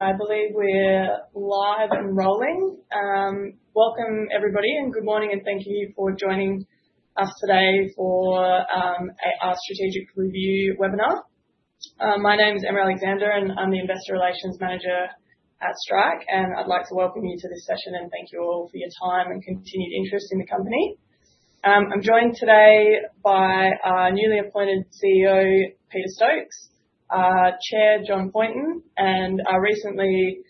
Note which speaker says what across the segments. Speaker 1: I believe we're live and rolling. Welcome, everybody, and good morning, and thank you for joining us today for our strategic review webinar. My name is Emma Alexander, and I'm the Investor Relations Manager at Strike. I'd like to welcome you to this session and thank you all for your time and continued interest in the company. I'm joined today by our newly appointed CEO, Peter Stokes, our Chair, John Poynton, and our recently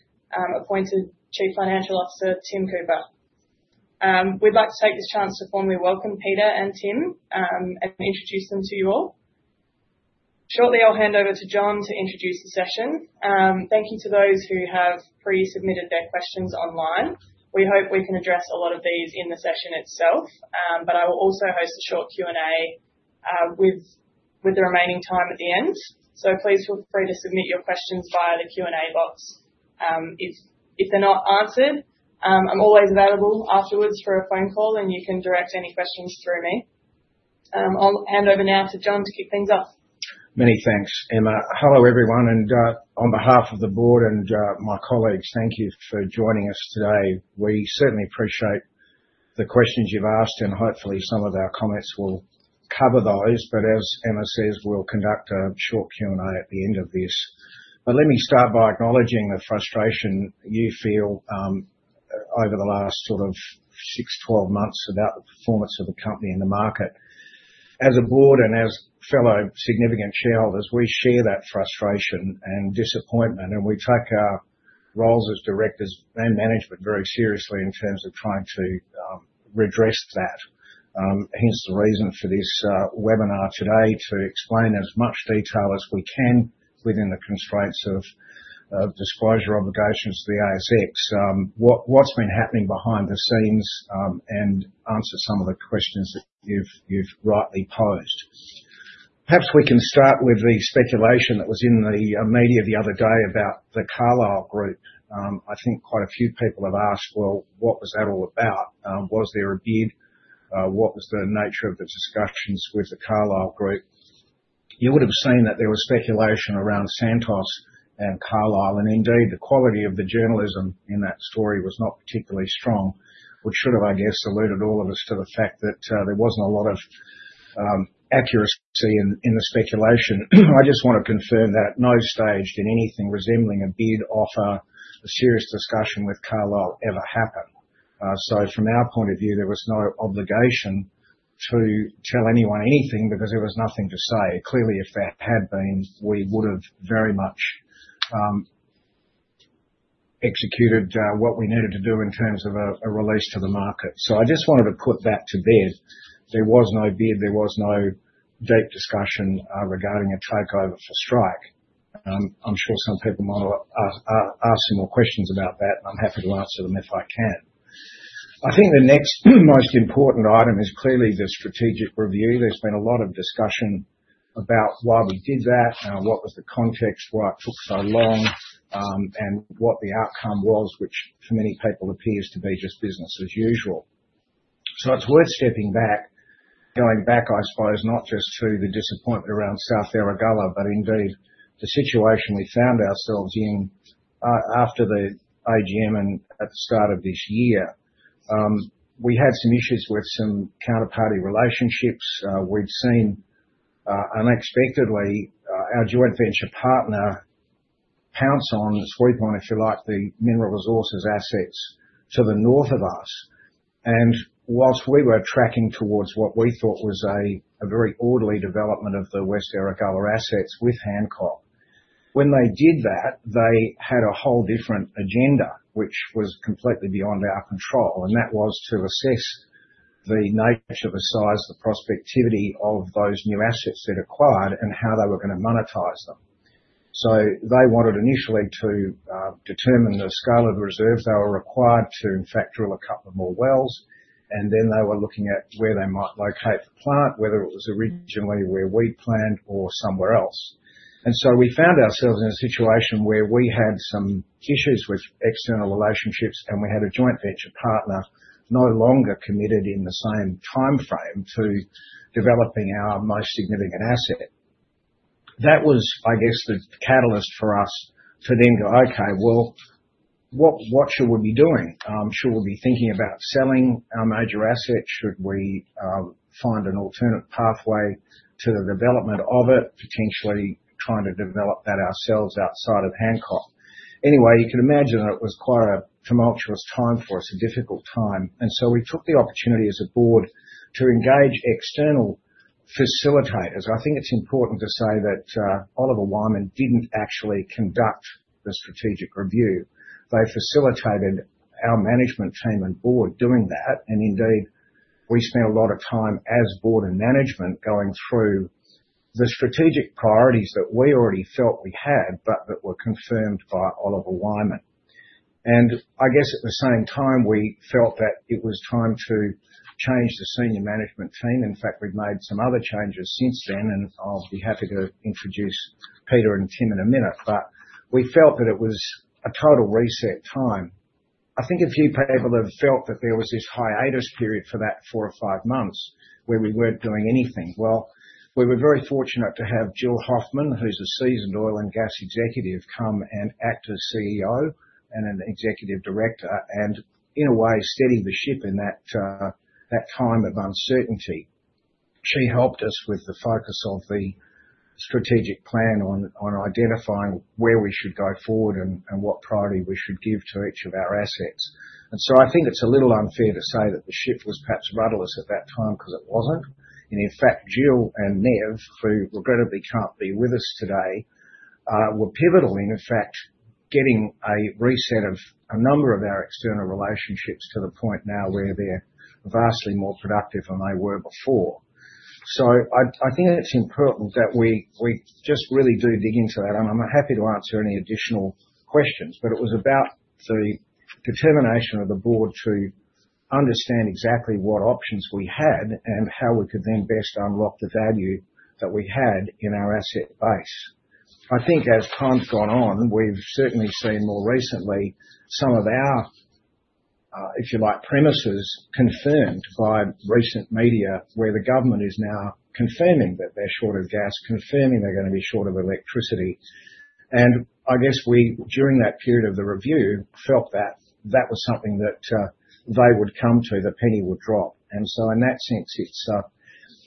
Speaker 1: appointed Chief Financial Officer, Tim Cooper. We'd like to take this chance to formally welcome Peter and Tim and introduce them to you all. Shortly, I'll hand over to John to introduce the session. Thank you to those who have pre-submitted their questions online. We hope we can address a lot of these in the session itself, but I will also host a short Q&A with the remaining time at the end. Please feel free to submit your questions via the Q&A box. If they're not answered, I'm always available afterwards for a phone call, and you can direct any questions through me. I'll hand over now to John to kick things off.
Speaker 2: Many thanks, Emma. Hello, everyone. And on behalf of the Board and my colleagues, thank you for joining us today. We certainly appreciate the questions you've asked, and hopefully, some of our comments will cover those. But as Emma says, we'll conduct a short Q&A at the end of this. Let me start by acknowledging the frustration you feel over the last sort of six, 12 months about the performance of the company and the market. As a Board and as fellow significant shareholders, we share that frustration and disappointment, and we take our roles as irectors and management very seriously in terms of trying to redress that. Hence the reason for this webinar today, to explain in as much detail as we can within the constraints of disclosure obligations to the ASX, what's been happening behind the scenes, and answer some of the questions that you've rightly posed. Perhaps we can start with the speculation that was in the media the other day about the Carlyle Group. I think quite a few people have asked, well, what was that all about? Was there a bid? What was the nature of the discussions with the Carlyle Group? You would have seen that there was speculation around Santos and Carlyle. Indeed, the quality of the journalism in that story was not particularly strong, which should have, I guess, alluded all of us to the fact that there was not a lot of accuracy in the speculation. I just want to confirm that no stage in anything resembling a bid, offer, a serious discussion with Carlyle ever happened. From our point of view, there was no obligation to tell anyone anything because there was nothing to say. Clearly, if that had been, we would have very much executed what we needed to do in terms of a release to the market. I just wanted to put that to bid. There was no bid. There was no deep discussion regarding a takeover for Strike. I'm sure some people might ask some more questions about that, and I'm happy to answer them if I can. I think the next most important item is clearly the strategic review. There's been a lot of discussion about why we did that, what was the context, why it took so long, and what the outcome was, which for many people appears to be just business as usual. It's worth stepping back, going back, I suppose, not just to the disappointment around South Erregulla, but indeed the situation we found ourselves in after the AGM and at the start of this year. We had some issues with some counterparty relationships. We'd seen unexpectedly our Joint Venture partner pounce on, sweep on, if you like, the Mineral Resources assets to the north of us. Whilst we were tracking towards what we thought was a very orderly development of the West Erregulla assets with Hancock, when they did that, they had a whole different agenda, which was completely beyond our control. That was to assess the nature, the size, the prospectivity of those new assets they acquired and how they were going to monetize them. They wanted initially to determine the scale of the reserves they were required to, in fact, drill a couple more wells. They were looking at where they might locate the plant, whether it was originally where we planned or somewhere else. We found ourselves in a situation where we had some issues with external relationships, and we had a Joint Venture partner no longer committed in the same timeframe to developing our most significant asset. That was, I guess, the catalyst for us to then go, okay, what should we be doing? Should we be thinking about selling our major asset? Should we find an alternate pathway to the development of it, potentially trying to develop that ourselves outside of Hancock? Anyway, you can imagine that it was quite a tumultuous time for us, a difficult time. We took the opportunity as a Board to engage external facilitators. I think it's important to say that Oliver Wyman didn't actually conduct the strategic review. They facilitated our management team and Board doing that. Indeed, we spent a lot of time as Board and management going through the strategic priorities that we already felt we had, but that were confirmed by Oliver Wyman. I guess at the same time, we felt that it was time to change the senior management team. In fact, we've made some other changes since then, and I'll be happy to introduce Peter and Tim in a minute. We felt that it was a total reset time. I think a few people have felt that there was this hiatus period for that four or five months where we weren't doing anything. We were very fortunate to have Jill Hoffmann, who's a seasoned oil and gas executive, come and act as CEO and an Executive Director and, in a way, steady the ship in that time of uncertainty. She helped us with the focus of the strategic plan on identifying where we should go forward and what priority we should give to each of our assets. I think it's a little unfair to say that the ship was perhaps rudderless at that time because it wasn't. In fact, Jill and Nev, who regrettably can't be with us today, were pivotal in getting a reset of a number of our external relationships to the point now where they're vastly more productive than they were before. I think it's important that we just really do dig into that. I'm happy to answer any additional questions. It was about the determination of the Board to understand exactly what options we had and how we could then best unlock the value that we had in our asset base. I think as time's gone on, we've certainly seen more recently some of our, if you like, premises confirmed by recent media where the government is now confirming that they're short of gas, confirming they're going to be short of electricity. I guess we, during that period of the review, felt that that was something that they would come to, that penny would drop. In that sense,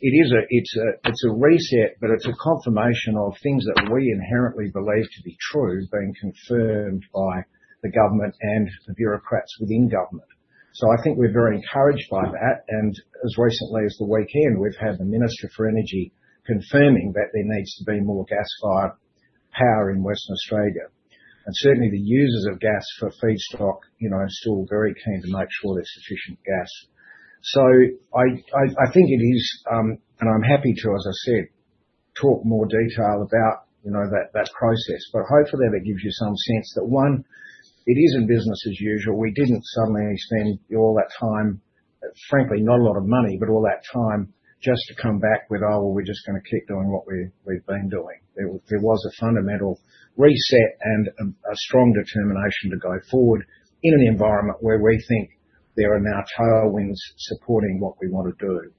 Speaker 2: it's a reset, but it's a confirmation of things that we inherently believe to be true being confirmed by the Government and the bureaucrats within government. I think we're very encouraged by that. As recently as the weekend, we've had the Minister for Energy confirming that there needs to be more gas-fired power in Western Australia. Certainly, the users of gas for feedstock are still very keen to make sure there's sufficient gas. I think it is, and I'm happy to, as I said, talk more detail about that process. Hopefully, that gives you some sense that, one, it isn't business as usual. We didn't suddenly spend all that time, frankly, not a lot of money, but all that time just to come back with, "Oh, well, we're just going to keep doing what we've been doing." There was a fundamental reset and a strong determination to go forward in an environment where we think there are now tailwinds supporting what we want to do.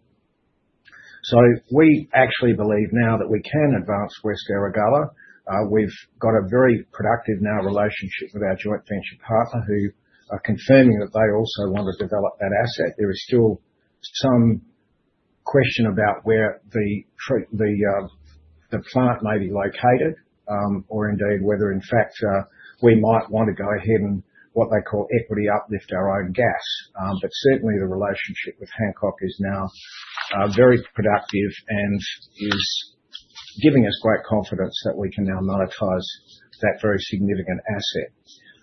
Speaker 2: We actually believe now that we can advance West Erregulla. We've got a very productive now relationship with our Joint Venture partner who are confirming that they also want to develop that asset. There is still some question about where the plant may be located or indeed whether, in fact, we might want to go ahead and, what they call, equity uplift our own gas. Certainly, the relationship with Hancock is now very productive and is giving us great confidence that we can now monetize that very significant asset.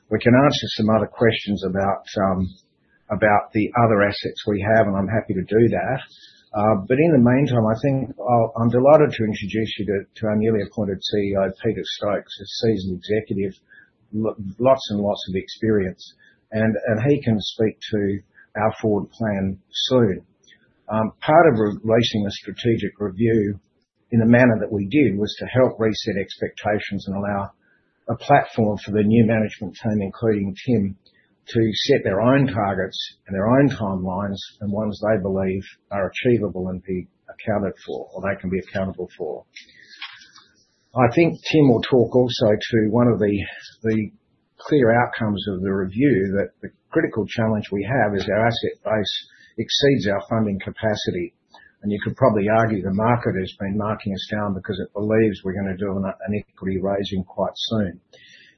Speaker 2: We can answer some other questions about the other assets we have, and I'm happy to do that. In the meantime, I think I'm delighted to introduce you to our newly appointed CEO, Peter Stokes, a seasoned executive with lots and lots of experience. He can speak to our forward plan soon. Part of releasing the strategic review in the manner that we did was to help reset expectations and allow a platform for the new management team, including Tim, to set their own targets and their own timelines and ones they believe are achievable and be accounted for or they can be accountable for. I think Tim will talk also to one of the clear outcomes of the review, that the critical challenge we have is our asset base exceeds our funding capacity. You could probably argue the market has been marking us down because it believes we're going to do an equity raising quite soon.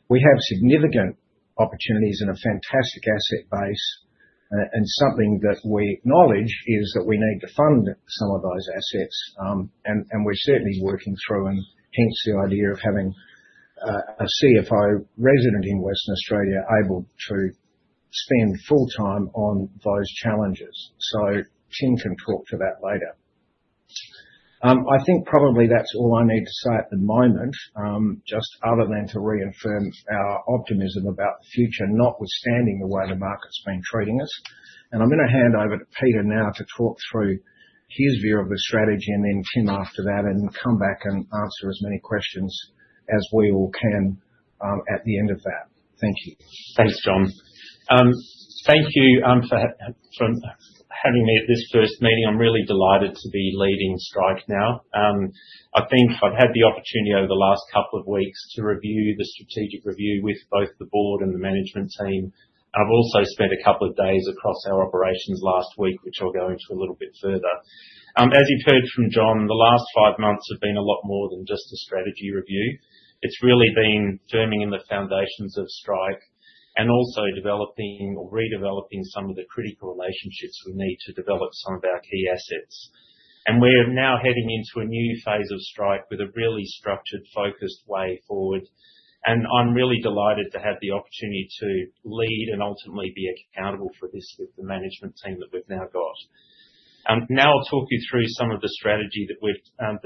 Speaker 2: We have significant opportunities and a fantastic asset base. Something that we acknowledge is that we need to fund some of those assets. We are certainly working through, and hence the idea of having a CFO resident in Western Australia able to spend full time on those challenges. Tim can talk to that later. I think probably that is all I need to say at the moment, just other than to reaffirm our optimism about the future, notwithstanding the way the market has been treating us. I am going to hand over to Peter now to talk through his view of the strategy and then Tim after that and come back and answer as many questions as we all can at the end of that. Thank you.
Speaker 3: Thanks, John. Thank you for having me at this first meeting. I'm really delighted to be leading Strike now. I think I've had the opportunity over the last couple of weeks to review the strategic review with both the Board and the management team. I've also spent a couple of days across our operations last week, which I'll go into a little bit further. As you've heard from John, the last five months have been a lot more than just a strategy review. It's really been firming in the foundations of Strike and also developing or redeveloping some of the critical relationships we need to develop some of our key assets. We're now heading into a new phase of Strike with a really structured, focused way forward. I'm really delighted to have the opportunity to lead and ultimately be accountable for this with the management team that we've now got. I'll talk you through some of the strategy that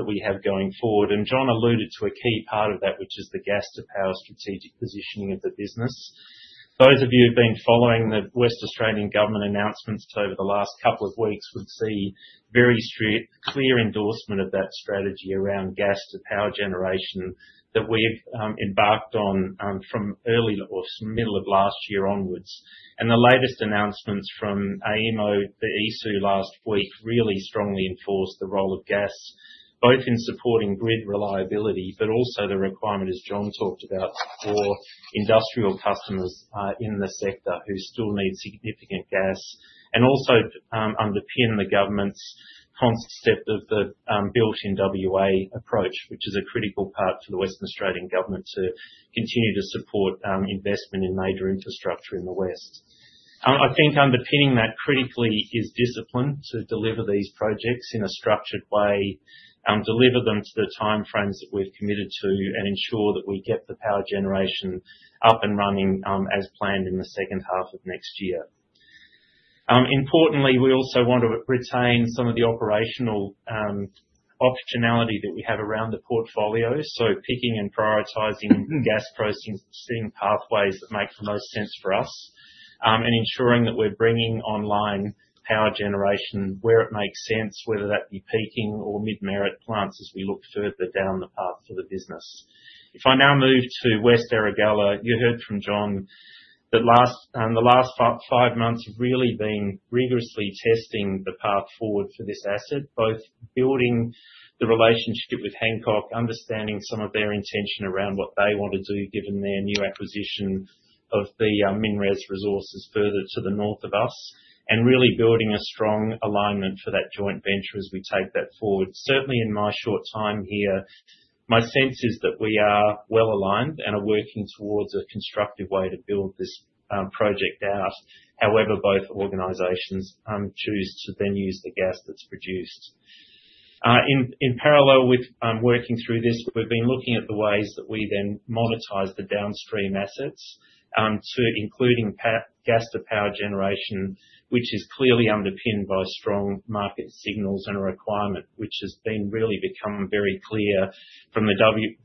Speaker 3: we have going forward. John alluded to a key part of that, which is the gas-to-power strategic positioning of the business. Those of you who've been following the West Australian Government announcements over the last couple of weeks would see very clear endorsement of that strategy around gas-to-power generation that we've embarked on from early or middle of last year onwards. The latest announcements from AEMO, the ESU, last week really strongly enforced the role of gas, both in supporting grid reliability, but also the requirement, as John talked about, for industrial customers in the sector who still need significant gas, and also underpin the government's concept of the built-in WA approach, which is a critical part for the Western Australian government to continue to support investment in major infrastructure in the West. I think underpinning that critically is discipline to deliver these projects in a structured way, deliver them to the timeframes that we've committed to, and ensure that we get the power generation up and running as planned in the second half of next year. Importantly, we also want to retain some of the operational optionality that we have around the portfolio, so picking and prioritizing gas processing, setting pathways that make the most sense for us, and ensuring that we're bringing online power generation where it makes sense, whether that be peaking or mid-merit plants as we look further down the path for the business. If I now move to West Erregulla, you heard from John that the last five months have really been rigorously testing the path forward for this asset, both building the relationship with Hancock, understanding some of their intention around what they want to do given their new acquisition of the MinRes resources further to the north of us, and really building a strong alignment for that Joint Venture as we take that forward. Certainly, in my short time here, my sense is that we are well aligned and are working towards a constructive way to build this project out, however both organizations choose to then use the gas that's produced. In parallel with working through this, we've been looking at the ways that we then monetize the downstream assets to including gas-to-power generation, which is clearly underpinned by strong market signals and a requirement which has been really become very clear from the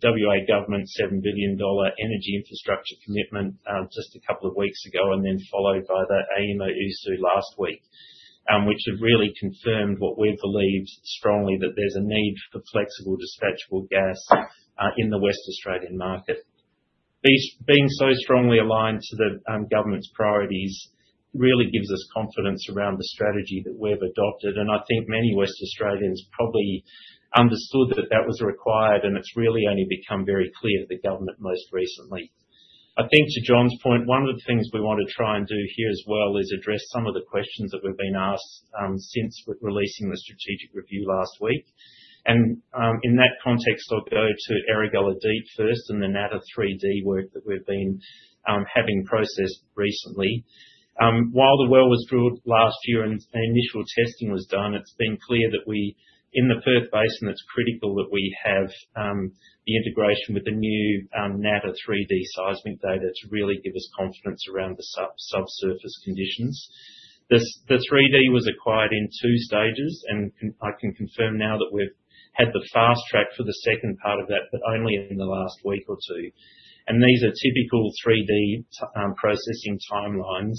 Speaker 3: WA Government's 7 billion dollar energy infrastructure commitment just a couple of weeks ago, and then followed by the AEMO ESOO last week, which have really confirmed what we believe strongly that there's a need for flexible dispatchable gas in the West Australian market. Being so strongly aligned to the government's priorities really gives us confidence around the strategy that we've adopted. I think many West Australians probably understood that that was required, and it has really only become very clear to the Government most recently. I think to John's point, one of the things we want to try and do here as well is address some of the questions that we have been asked since releasing the strategic review last week. In that context, I will go to Erregulla Deep first and the Natta 3D work that we have been having processed recently. While the well was drilled last year and initial testing was done, it has been clear that we in the Perth Basin, it is critical that we have the integration with the new Natta 3D seismic data to really give us confidence around the subsurface conditions. The 3D was acquired in two stages, and I can confirm now that we've had the fast track for the second part of that, but only in the last week or two. These are typical 3D processing timelines.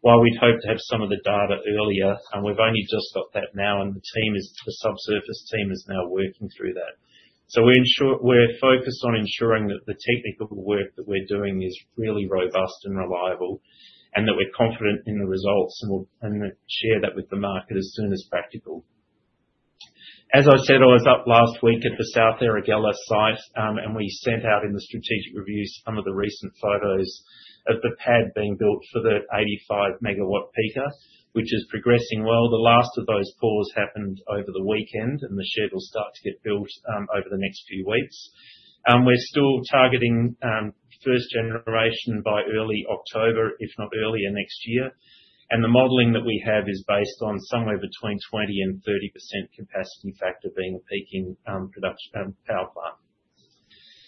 Speaker 3: While we'd hoped to have some of the data earlier, we've only just got that now, and the subsurface team is now working through that. We are focused on ensuring that the technical work that we're doing is really robust and reliable and that we're confident in the results and share that with the market as soon as practical. As I said, I was up last week at the South Erregulla site, and we sent out in the strategic review some of the recent photos of the pad being built for the 85-megawatt peaker, which is progressing well. The last of those pours happened over the weekend, and the shed will start to get built over the next few weeks. We're still targeting first generation by early October, if not earlier next year. The modeling that we have is based on somewhere between 20-30% capacity factor being a peaking power plant.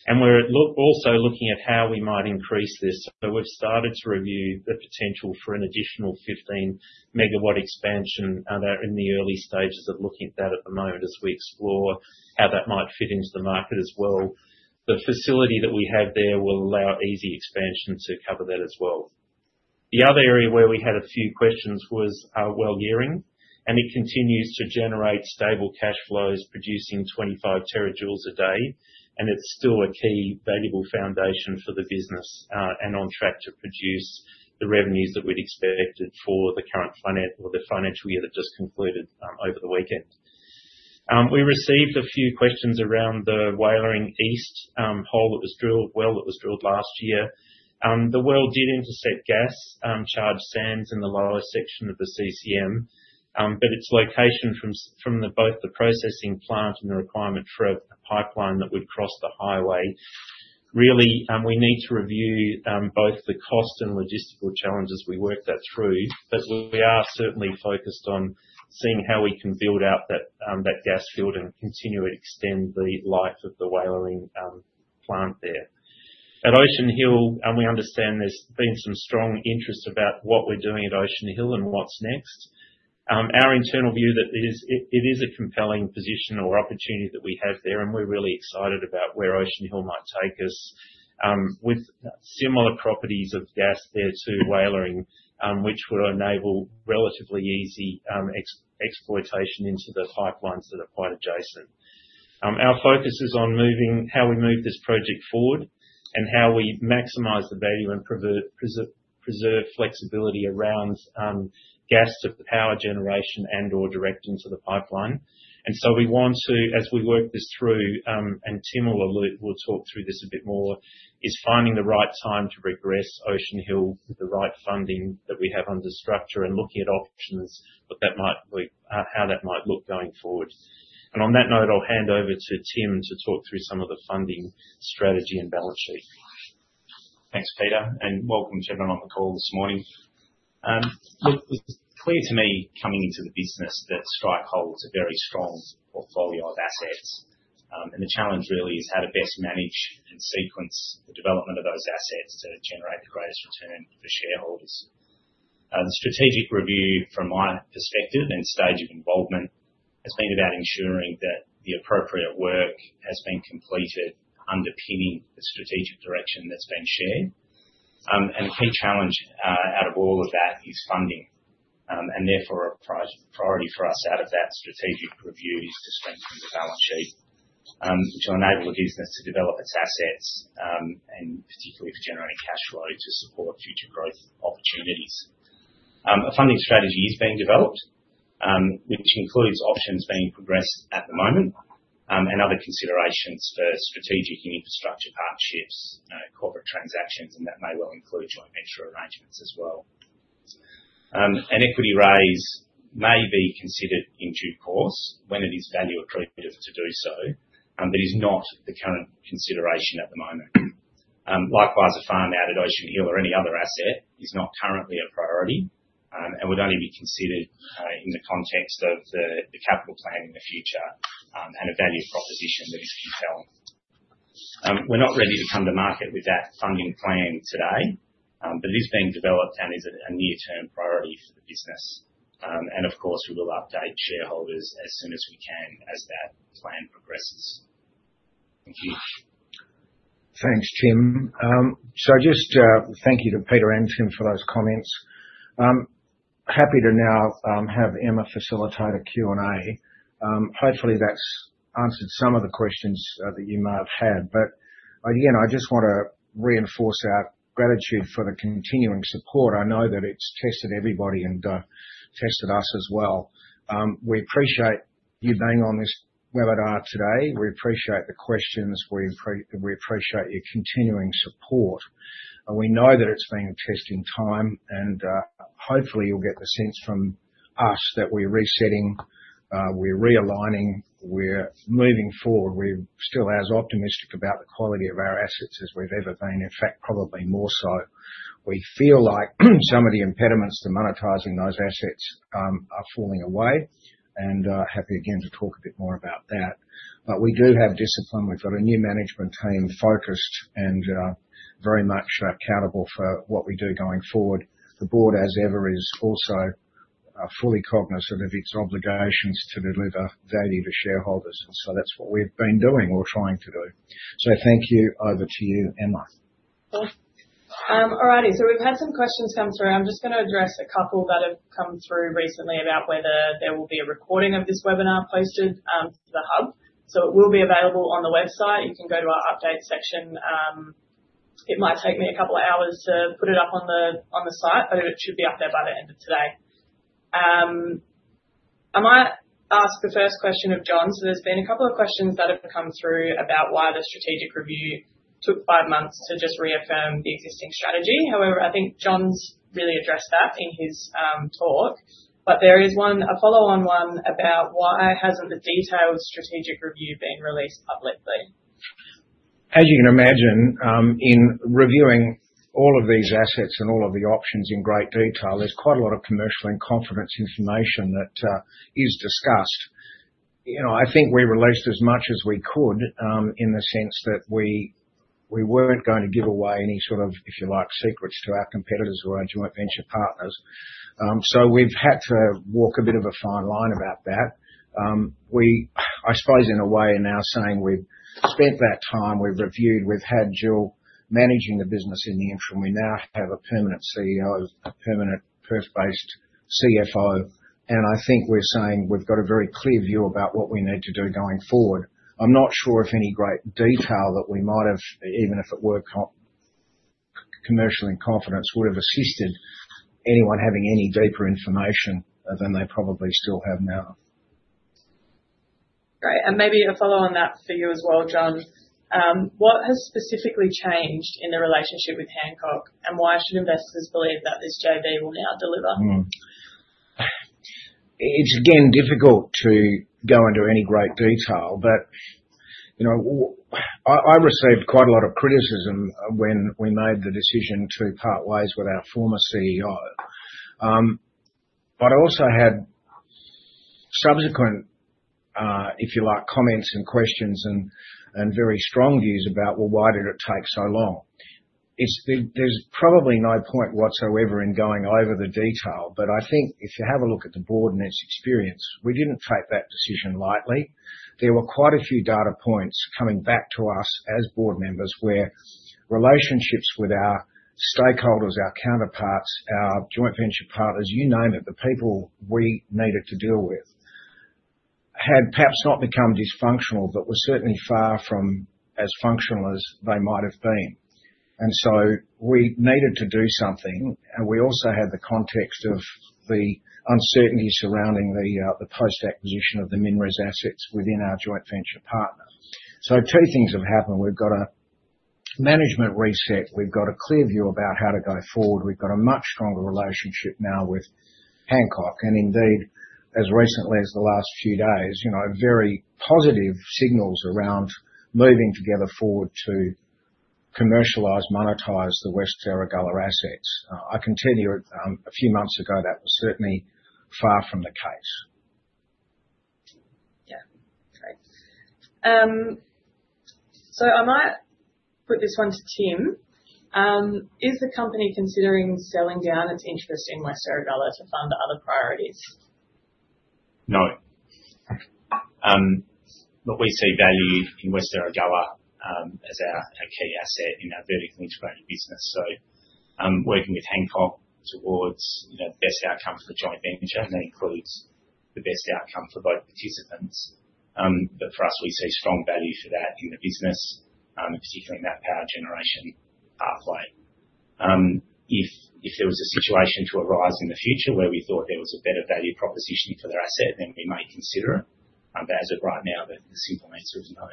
Speaker 3: We're also looking at how we might increase this. We've started to review the potential for an additional 15-megawatt expansion. They're in the early stages of looking at that at the moment as we explore how that might fit into the market as well. The facility that we have there will allow easy expansion to cover that as well. The other area where we had a few questions was Walyering, and it continues to generate stable cash flows producing 25 terajoules a day. It is still a key valuable foundation for the business and on track to produce the revenues that we had expected for the current financial year that just concluded over the weekend. We received a few questions around the Walyering East well that was drilled last year. The well did intercept gas-charged sands in the lower section of the CCM, but its location from both the processing plant and the requirement for a pipeline that would cross the highway means we really need to review both the cost and logistical challenges. We worked that through, but we are certainly focused on seeing how we can build out that gas field and continue to extend the life of the Walyering plant there. At Ocean Hill, we understand there has been some strong interest about what we are doing at Ocean Hill and what is next. Our internal view is that it is a compelling position or opportunity that we have there, and we're really excited about where Ocean Hill might take us with similar properties of gas there to Walyering, which will enable relatively easy exploitation into the pipelines that are quite adjacent. Our focus is on how we move this project forward and how we maximize the value and preserve flexibility around gas-to-power generation and/or directing to the pipeline. We want to, as we work this through, and Tim will talk through this a bit more, find the right time to progress Ocean Hill with the right funding that we have under structure and looking at options, how that might look going forward. On that note, I'll hand over to Tim to talk through some of the funding strategy and balance sheet.
Speaker 4: Thanks, Peter, and welcome to everyone on the call this morning. It was clear to me coming into the business that Strike holds a very strong portfolio of assets. The challenge really is how to best manage and sequence the development of those assets to generate the greatest return for shareholders. The strategic review, from my perspective and stage of involvement, has been about ensuring that the appropriate work has been completed underpinning the strategic direction that's been shared. A key challenge out of all of that is funding. Therefore, a priority for us out of that strategic review is to strengthen the balance sheet to enable the business to develop its assets and particularly for generating cash flow to support future growth opportunities. A funding strategy is being developed, which includes options being progressed at the moment and other considerations for strategic and infrastructure partnerships, corporate transactions, and that may well include Joint Venture arrangements as well. An equity raise may be considered in due course when it is value-attributive to do so, but is not the current consideration at the moment. Likewise, a farm out at Ocean Hill or any other asset is not currently a priority and would only be considered in the context of the capital plan in the future and a value proposition that is compelling. We are not ready to come to market with that funding plan today, but it is being developed and is a near-term priority for the business. Of course, we will update shareholders as soon as we can as that plan progresses. Thank you.
Speaker 2: Thanks, Tim. Just thank you to Peter and Tim for those comments. Happy to now have Emma facilitate a Q&A. Hopefully, that's answered some of the questions that you might have had. Again, I just want to reinforce our gratitude for the continuing support. I know that it's tested everybody and tested us as well. We appreciate you being on this webinar today. We appreciate the questions. We appreciate your continuing support. We know that it's been a testing time, and hopefully, you'll get the sense from us that we're resetting, we're realigning, we're moving forward. We're still as optimistic about the quality of our assets as we've ever been, in fact, probably more so. We feel like some of the impediments to monetizing those assets are falling away, and happy again to talk a bit more about that. We do have discipline. We've got a new management team focused and very much accountable for what we do going forward. The Board, as ever, is also fully cognizant of its obligations to deliver value to shareholders. That is what we've been doing or trying to do. Thank you. Over to you, Emma.
Speaker 1: Cool. All righty. So we've had some questions come through. I'm just going to address a couple that have come through recently about whether there will be a recording of this webinar posted to the hub. It will be available on the website. You can go to our update section. It might take me a couple of hours to put it up on the site, but it should be up there by the end of today. I might ask the first question of John. There's been a couple of questions that have come through about why the strategic review took five months to just reaffirm the existing strategy. However, I think John's really addressed that in his talk. There is a follow-on one about why hasn't the detailed strategic review been released publicly?
Speaker 2: As you can imagine, in reviewing all of these assets and all of the options in great detail, there's quite a lot of commercial and confidence information that is discussed. I think we released as much as we could in the sense that we weren't going to give away any sort of, if you like, secrets to our competitors or our Joint Venture partners. We have had to walk a bit of a fine line about that. I suppose, in a way, in our saying, we've spent that time, we've reviewed, we've had Jill managing the business in the interim, we now have a permanent CEO, a permanent Perth-based CFO, and I think we're saying we've got a very clear view about what we need to do going forward. I'm not sure if any great detail that we might have, even if it were commercial and confidence, would have assisted anyone having any deeper information than they probably still have now.
Speaker 1: Great. Maybe a follow-on that for you as well, John. What has specifically changed in the relationship with Hancock, and why should investors believe that this JV will now deliver?
Speaker 2: It's again difficult to go into any great detail, but I received quite a lot of criticism when we made the decision to part ways with our former CEO. I also had subsequent, if you like, comments and questions and very strong views about, well, why did it take so long? There's probably no point whatsoever in going over the detail, but I think if you have a look at the Board and its experience, we didn't take that decision lightly. There were quite a few data points coming back to us as Board members where relationships with our stakeholders, our counterparts, our Joint Venture partners, you name it, the people we needed to deal with had perhaps not become dysfunctional, but were certainly far from as functional as they might have been. We needed to do something, and we also had the context of the uncertainty surrounding the post-acquisition of the MinRes assets within our Joint Venture partner. Two things have happened. We have got a management reset. We have got a clear view about how to go forward. We have got a much stronger relationship now with Hancock. Indeed, as recently as the last few days, very positive signals around moving together forward to commercialize and monetize the West Erregulla assets. I can tell you a few months ago that was certainly far from the case.
Speaker 1: Yeah. Great. I might put this one to Tim. Is the company considering selling down its interest in West Erregulla to fund other priorities?
Speaker 4: No. We see value in West Erregulla as our key asset in our vertically integrated business. Working with Hancock towards the best outcome for the Joint Venture, and that includes the best outcome for both participants. For us, we see strong value for that in the business, particularly in that power generation pathway. If there was a situation to arise in the future where we thought there was a better value proposition for their asset, we may consider it. As of right now, the simple answer is no.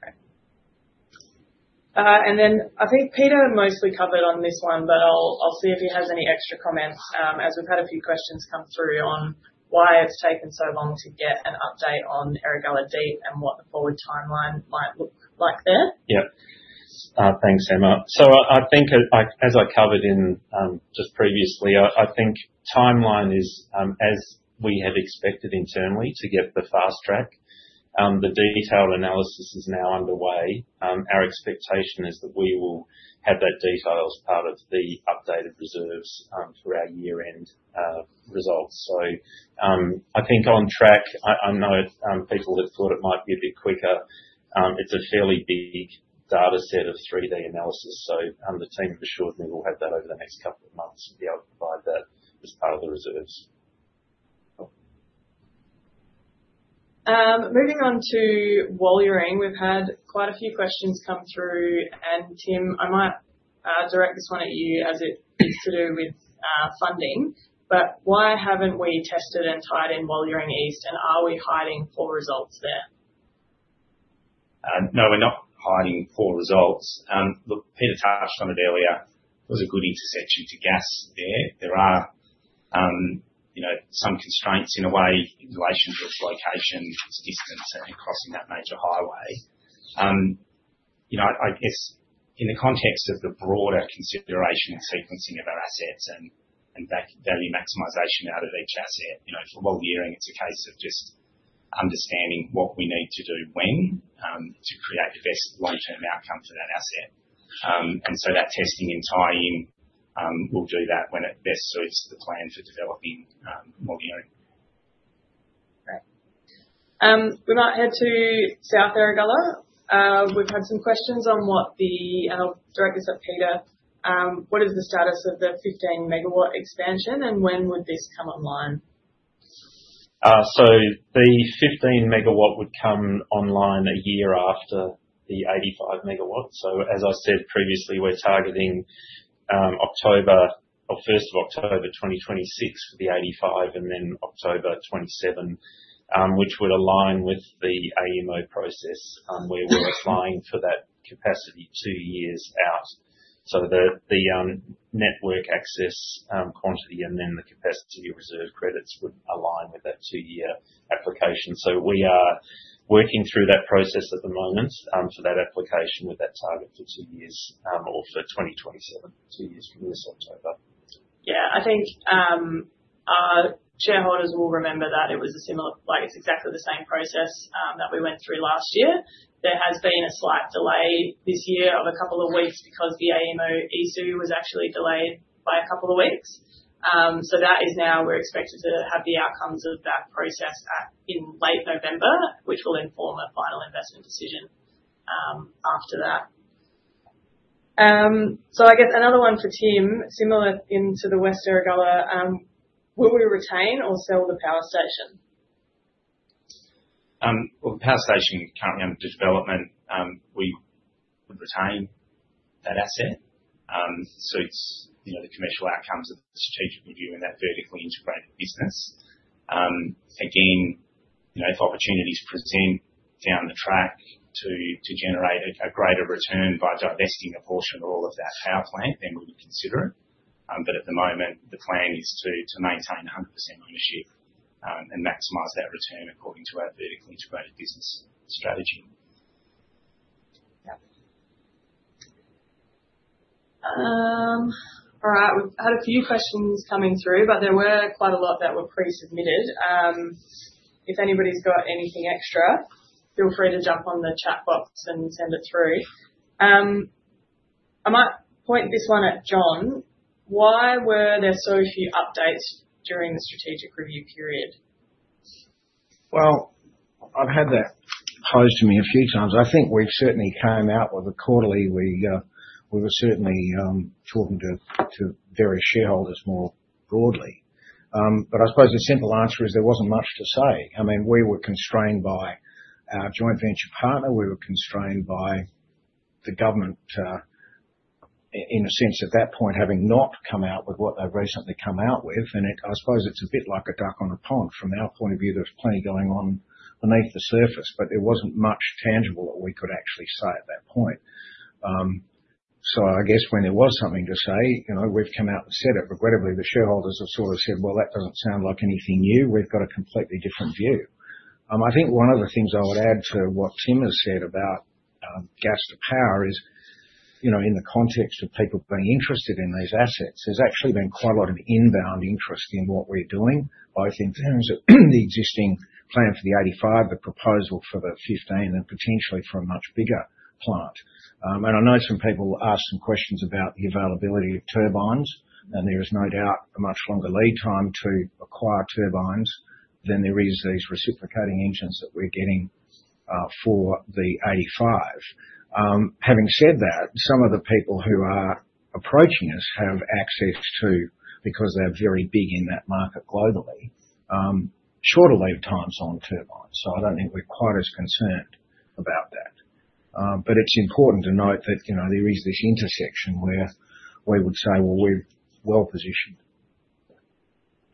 Speaker 1: Okay. I think Peter mostly covered on this one, but I'll see if he has any extra comments as we've had a few questions come through on why it's taken so long to get an update on Erregulla Deep and what the forward timeline might look like there.
Speaker 4: Yep. Thanks, Emma. I think, as I covered in just previously, I think timeline is, as we have expected internally, to get the fast track. The detailed analysis is now underway. Our expectation is that we will have that detail as part of the updated reserves for our year-end results. I think on track, I know people have thought it might be a bit quicker. It's a fairly big data set of 3D analysis. The team for sure will have that over the next couple of months and be able to provide that as part of the reserves.
Speaker 1: Moving on to Walyering, we've had quite a few questions come through. Tim, I might direct this one at you as it is to do with funding. Why haven't we tested and tied in Walyering East, and are we hiding poor results there?
Speaker 4: No, we're not hiding poor results. Peter touched on it earlier. It was a good intersection to gas there. There are some constraints in a way in relation to its location, its distance, and crossing that major highway. I guess in the context of the broader consideration and sequencing of our assets and value maximization out of each asset, for Walyering, it's a case of just understanding what we need to do when to create the best long-term outcome for that asset. That testing and tying in will do that when it best suits the plan for developing Walyering.
Speaker 1: Great. We might head to South Erregulla. We've had some questions on what the—and I'll direct this at Peter—what is the status of the 15-megawatt expansion, and when would this come online?
Speaker 4: The 15-megawatt would come online a year after the 85-megawatt. As I said previously, we're targeting October or 1st of October 2026 for the 85 and then October 2027, which would align with the AEMO process where we're applying for that capacity two years out. The network access quantity and then the capacity reserve credits would align with that two-year application. We are working through that process at the moment for that application with that target for two years or for 2027, two years from this October.
Speaker 1: Yeah. I think our shareholders will remember that it was a similar—it's exactly the same process that we went through last year. There has been a slight delay this year of a couple of weeks because the AEMO ESOO was actually delayed by a couple of weeks. That is now we're expected to have the outcomes of that process in late November, which will inform a final investment decision after that. I guess another one for Tim, similar into the West Erregulla, will we retain or sell the power station?
Speaker 4: The power station currently under development, we would retain that asset. So it's the commercial outcomes of the strategic review in that vertically integrated business. Again, if opportunities present down the track to generate a greater return by divesting a portion of all of that power plant, then we would consider it. At the moment, the plan is to maintain 100% ownership and maximize that return according to our vertically integrated business strategy.
Speaker 1: Yeah. All right. We've had a few questions coming through, but there were quite a lot that were pre-submitted. If anybody's got anything extra, feel free to jump on the chat box and send it through. I might point this one at John. Why were there so few updates during the strategic review period?
Speaker 2: I've had that posed to me a few times. I think we certainly came out with a quarterly—we were certainly talking to various shareholders more broadly. I suppose the simple answer is there wasn't much to say. I mean, we were constrained by our Joint Venture partner. We were constrained by the government, in a sense, at that point, having not come out with what they've recently come out with. I suppose it's a bit like a duck on a pond. From our point of view, there's plenty going on beneath the surface, but there wasn't much tangible that we could actually say at that point. I guess when there was something to say, we've come out and said it. Regrettably, the shareholders have sort of said, "Well, that doesn't sound like anything new. We've got a completely different view." I think one of the things I would add to what Tim has said about gas-to-power is, in the context of people being interested in these assets, there's actually been quite a lot of inbound interest in what we're doing, both in terms of the existing plan for the 85, the proposal for the 15, and potentially for a much bigger plant. I know some people asked some questions about the availability of turbines, and there is no doubt a much longer lead time to acquire turbines than there are these reciprocating engines that we're getting for the 85. Having said that, some of the people who are approaching us have access to, because they're very big in that market globally, shorter lead times on turbines. I don't think we're quite as concerned about that. It is important to note that there is this intersection where we would say, "Well, we're well positioned.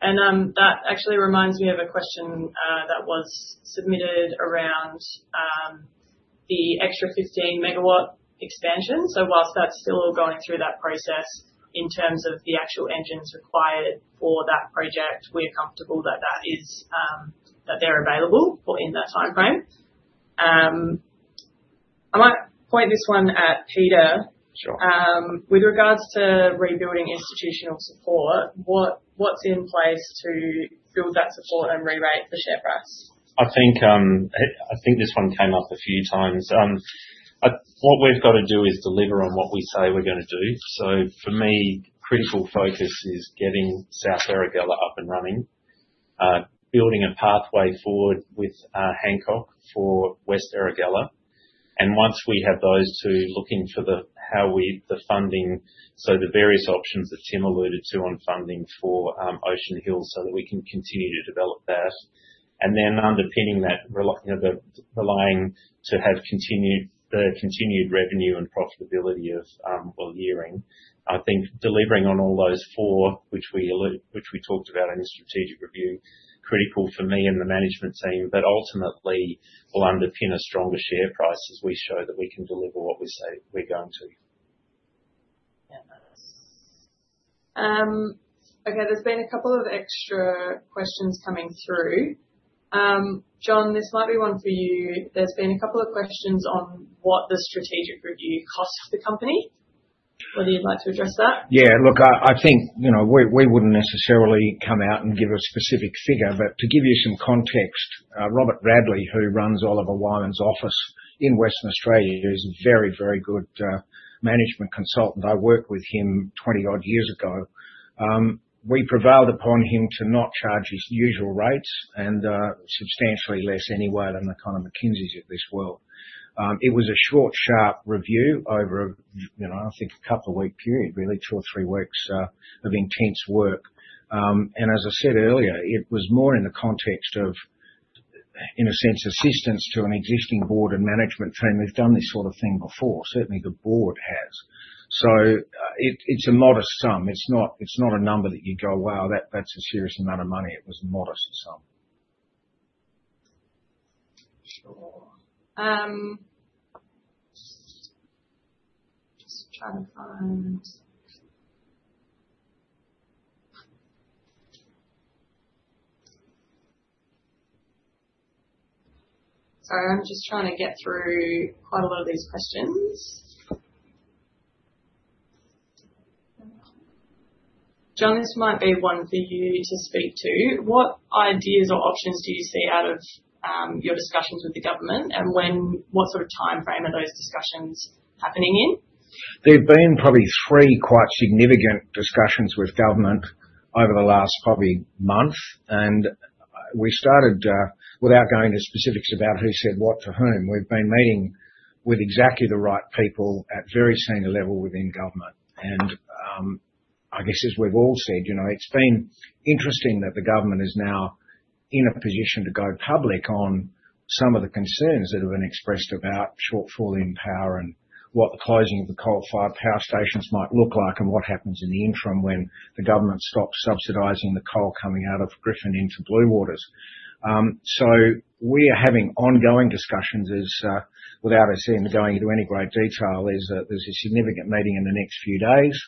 Speaker 1: That actually reminds me of a question that was submitted around the extra 15-megawatt expansion. Whilst that's still going through that process, in terms of the actual engines required for that project, we're comfortable that they're available for in that timeframe. I might point this one at Peter.
Speaker 3: Sure.
Speaker 1: With regards to rebuilding institutional support, what's in place to build that support and re-rate the share price?
Speaker 3: I think this one came up a few times. What we've got to do is deliver on what we say we're going to do. For me, critical focus is getting South Erregulla up and running, building a pathway forward with Hancock for West Erregulla. Once we have those two, looking for how the funding—the various options that Tim alluded to on funding for Ocean Hill—so that we can continue to develop that. Underpinning that, relying to have the continued revenue and profitability of Walyering. I think delivering on all those four, which we talked about in the strategic review, critical for me and the management team, that ultimately will underpin a stronger share price as we show that we can deliver what we say we're going to.
Speaker 1: Yeah. Okay. There's been a couple of extra questions coming through. John, this might be one for you. There's been a couple of questions on what the strategic review costs the company. Whether you'd like to address that?
Speaker 2: Yeah. Look, I think we would not necessarily come out and give a specific figure, but to give you some context, Robert Radley, who runs Oliver Wyman's office in Western Australia, is a very, very good management consultant. I worked with him 20-odd years ago. We prevailed upon him to not charge his usual rates and substantially less anyway than the kind of McKinseys at this world. It was a short, sharp review over, I think, a couple of week period, really, two or three weeks of intense work. As I said earlier, it was more in the context of, in a sense, assistance to an existing Board and management team. We have done this sort of thing before. Certainly, the Board has. It is a modest sum. It is not a number that you go, "Wow, that is a serious amount of money." It was a modest sum.
Speaker 1: Sure. Just trying to find—sorry. I'm just trying to get through quite a lot of these questions. John, this might be one for you to speak to. What ideas or options do you see out of your discussions with the government, and what sort of timeframe are those discussions happening in?
Speaker 2: There've been probably three quite significant discussions with government over the last probably month. We started without going into specifics about who said what to whom. We've been meeting with exactly the right people at very senior level within government. I guess, as we've all said, it's been interesting that the government is now in a position to go public on some of the concerns that have been expressed about shortfall in power and what the closing of the coal-fired power stations might look like and what happens in the interim when the government stops subsidizing the coal coming out of Griffin into Blue Waters. We are having ongoing discussions, without us even going into any great detail, as there's a significant meeting in the next few days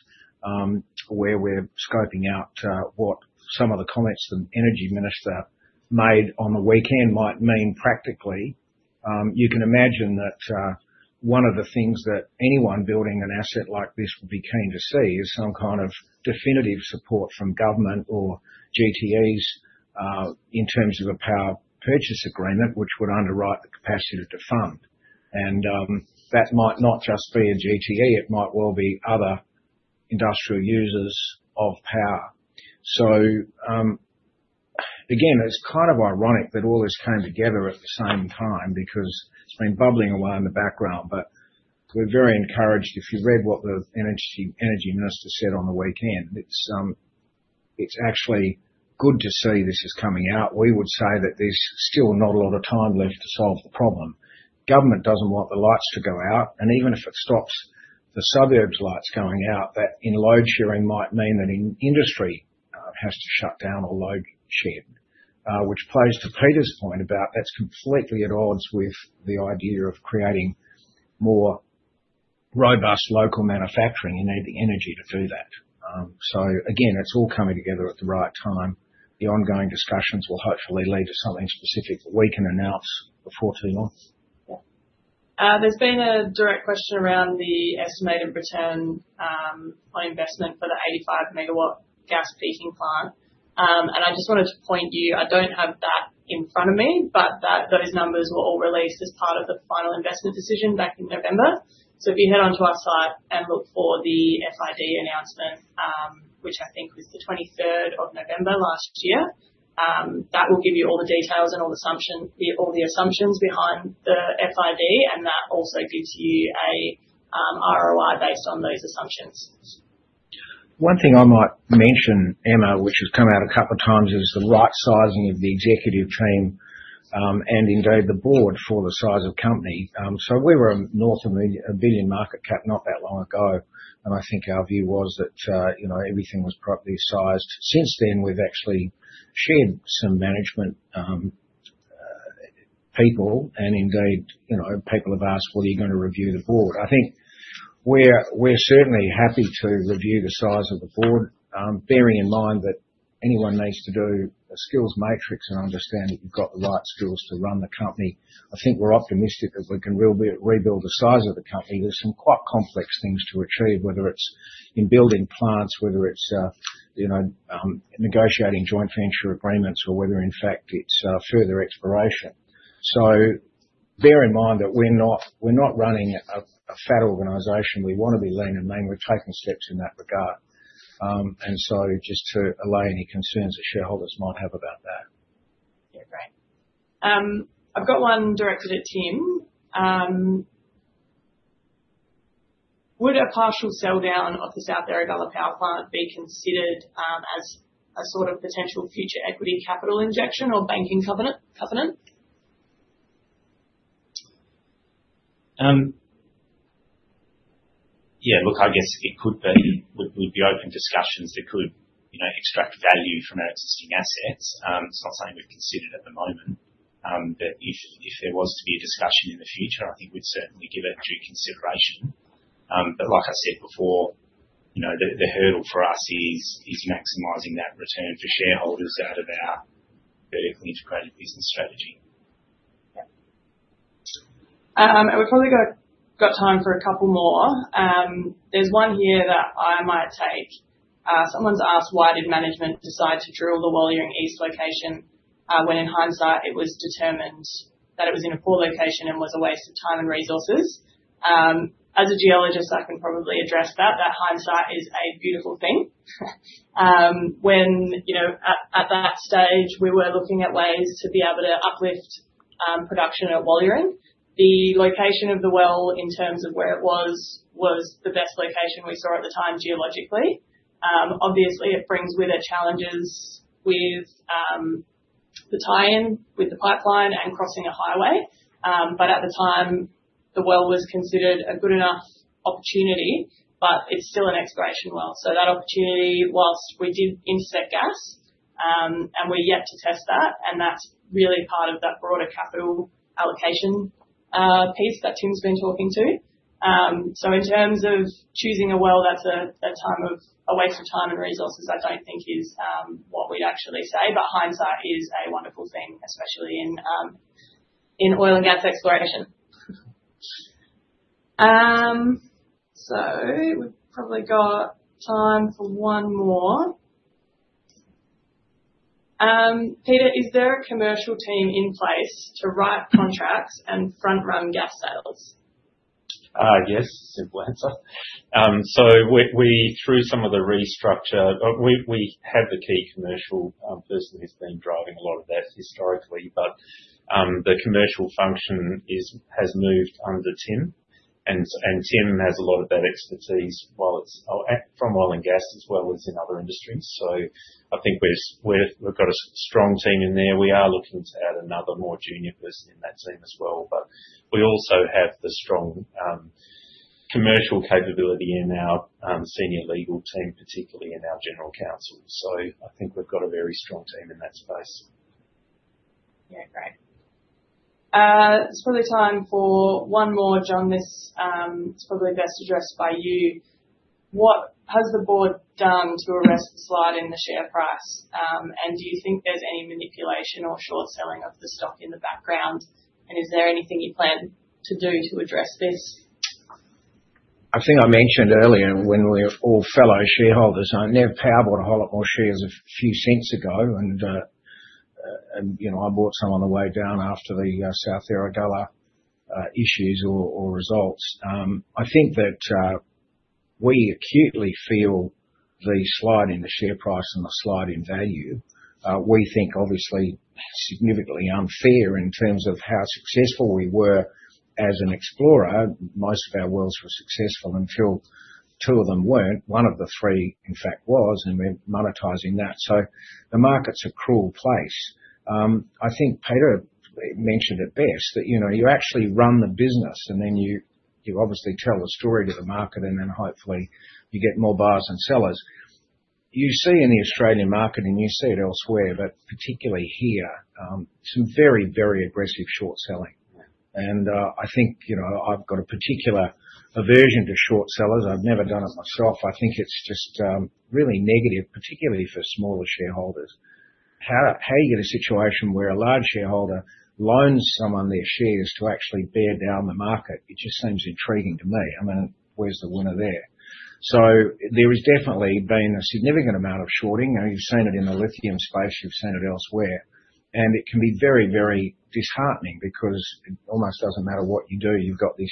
Speaker 2: where we're scoping out what some of the comments the energy minister made on the weekend might mean practically. You can imagine that one of the things that anyone building an asset like this would be keen to see is some kind of definitive support from government or GTEs in terms of a power purchase agreement, which would underwrite the capacity to fund. That might not just be a GTE. It might well be other industrial users of power. Again, it is kind of ironic that all this came together at the same time because it has been bubbling away in the background. We are very encouraged if you read what the energy minister said on the weekend. It is actually good to see this is coming out. We would say that there is still not a lot of time left to solve the problem. Government does not want the lights to go out. Even if it stops the suburbs' lights going out, that in load-sharing might mean that industry has to shut down or load-shed, which plays to Peter's point about that's completely at odds with the idea of creating more robust local manufacturing. You need the energy to do that. Again, it's all coming together at the right time. The ongoing discussions will hopefully lead to something specific that we can announce before too long.
Speaker 1: Yeah. There's been a direct question around the estimated return on investment for the 85-megawatt gas peaking plant. I just wanted to point you—I don't have that in front of me, but those numbers were all released as part of the final investment decision back in November. If you head on to our site and look for the FID announcement, which I think was the 23rd of November last year, that will give you all the details and all the assumptions behind the FID. That also gives you an ROI based on those assumptions.
Speaker 2: One thing I might mention, Emma, which has come out a couple of times, is the right sizing of the executive team and indeed the Board for the size of company. We were north of $1 billion market cap not that long ago. I think our view was that everything was properly sized. Since then, we've actually shed some management people. People have asked, "What are you going to review the Board?" I think we're certainly happy to review the size of the Board, bearing in mind that anyone needs to do a skills matrix and understand that you've got the right skills to run the company. I think we're optimistic that we can really rebuild the size of the company. There are some quite complex things to achieve, whether it's in building plants, whether it's negotiating Joint Venture agreements, or whether, in fact, it's further exploration. Bear in mind that we're not running a fat organization. We want to be lean and mean. We're taking steps in that regard. Just to allay any concerns that shareholders might have about that.
Speaker 1: Yeah. Great. I've got one directed at Tim. Would a partial sell down of the South Erregulla power plant be considered as a sort of potential future equity capital injection or banking covenant?
Speaker 4: Yeah. Look, I guess it could be. We'd be open to discussions. It could extract value from our existing assets. It's not something we've considered at the moment. If there was to be a discussion in the future, I think we'd certainly give it due consideration. Like I said before, the hurdle for us is maximizing that return for shareholders out of our vertically integrated business strategy.
Speaker 1: Yeah. We've probably got time for a couple more. There's one here that I might take. Someone's asked, "Why did management decide to drill the Walyering East location when, in hindsight, it was determined that it was in a poor location and was a waste of time and resources?" As a geologist, I can probably address that. That hindsight is a beautiful thing. At that stage, we were looking at ways to be able to uplift production at Walyering. The location of the well in terms of where it was was the best location we saw at the time geologically. Obviously, it brings with it challenges with the tie-in, with the pipeline, and crossing a highway. At the time, the well was considered a good enough opportunity, but it's still an exploration well. That opportunity, whilst we did intersect gas, and we're yet to test that. That is really part of that broader capital allocation piece that Tim's been talking to. In terms of choosing a well that's a waste of time and resources, I don't think is what we'd actually say. Hindsight is a wonderful thing, especially in oil and gas exploration. We've probably got time for one more. Peter, is there a commercial team in place to write contracts and front-run gas sales?
Speaker 3: Yes. Simple answer. Through some of the restructure, we have the key commercial person who's been driving a lot of that historically. The commercial function has moved under Tim. Tim has a lot of that expertise from oil and gas as well as in other industries. I think we've got a strong team in there. We are looking to add another more junior person in that team as well. We also have the strong commercial capability in our senior legal team, particularly in our general counsel. I think we've got a very strong team in that space.
Speaker 1: Yeah. Great. It's probably time for one more, John. This is probably best addressed by you. What has the Board done to arrest the slide in the share price? Do you think there's any manipulation or short selling of the stock in the background? Is there anything you plan to do to address this?
Speaker 2: I think I mentioned earlier when we were all fellow shareholders, I never powered a whole lot more shares a few cents ago. And I bought some on the way down after the South Erregulla issues or results. I think that we acutely feel the slide in the share price and the slide in value, we think, obviously, significantly unfair in terms of how successful we were as an explorer. Most of our wells were successful until two of them were not. One of the three, in fact, was, and we are monetizing that. The market is a cruel place. I think Peter mentioned it best, that you actually run the business, and then you obviously tell a story to the market, and then hopefully you get more buyers and sellers. You see in the Australian market, and you see it elsewhere, but particularly here, some very, very aggressive short selling. I think I've got a particular aversion to short sellers. I've never done it myself. I think it's just really negative, particularly for smaller shareholders. How do you get a situation where a large shareholder loans someone their shares to actually bear down the market? It just seems intriguing to me. I mean, where's the winner there? There has definitely been a significant amount of shorting. You've seen it in the lithium space. You've seen it elsewhere. It can be very, very disheartening because it almost doesn't matter what you do. You've got this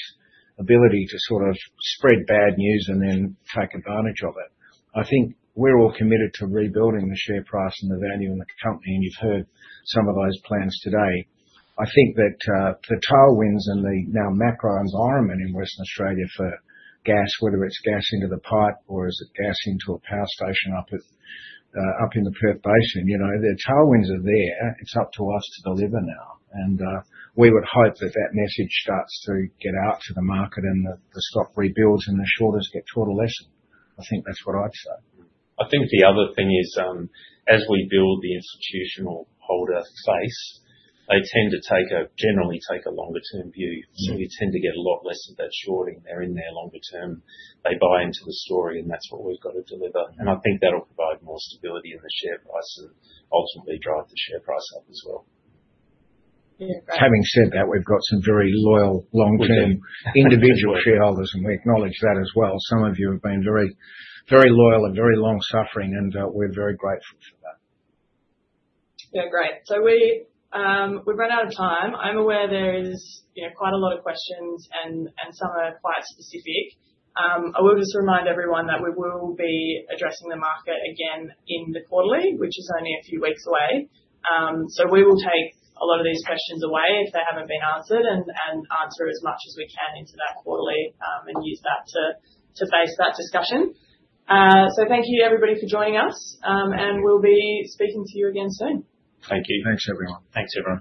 Speaker 2: ability to sort of spread bad news and then take advantage of it. I think we're all committed to rebuilding the share price and the value in the company. You've heard some of those plans today. I think that the tailwinds and the now macro environment in Western Australia for gas, whether it's gas into the pipe or is it gas into a power station up in the Perth Basin, the tailwinds are there. It's up to us to deliver now. We would hope that that message starts to get out to the market and the stock rebuilds and the shorters get taught a lesson. I think that's what I'd say.
Speaker 3: I think the other thing is, as we build the institutional holder space, they tend to generally take a longer-term view. We tend to get a lot less of that shorting. They're in there longer-term. They buy into the story, and that's what we've got to deliver. I think that'll provide more stability in the share price and ultimately drive the share price up as well.
Speaker 1: Yeah. Great.
Speaker 2: Having said that, we've got some very loyal, long-term individual shareholders, and we acknowledge that as well. Some of you have been very loyal and very long-suffering, and we're very grateful for that.
Speaker 1: Yeah. Great. We have run out of time. I'm aware there are quite a lot of questions, and some are quite specific. I will just remind everyone that we will be addressing the market again in the quarterly, which is only a few weeks away. We will take a lot of these questions away if they have not been answered and answer as much as we can in that quarterly and use that to face that discussion. Thank you, everybody, for joining us. We will be speaking to you again soon.
Speaker 3: Thank you.
Speaker 2: Thanks, everyone.
Speaker 4: Thanks everyone.